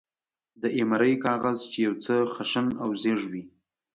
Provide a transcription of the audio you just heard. د ایمرۍ کاغذ، چې یو څه خشن او زېږ وي.